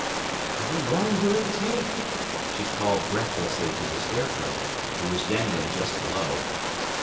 "How long will it take?" she called breathlessly to the Scarecrow, who was dangling just below.